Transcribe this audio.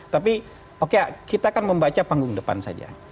tapi oke kita kan membaca panggung depan saja